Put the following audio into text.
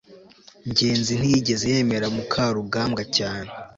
ngenzi ntiyigeze yemera mukarugambwa cyane